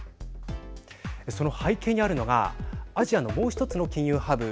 その背景にあるのがアジアのもう１つの金融ハブ